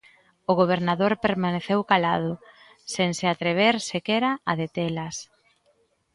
O gobernador permaneceu calado, sen se atrever sequera a detelas.